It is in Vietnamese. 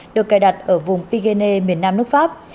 được cài đặt ở vùng pigenea miền nam nước pháp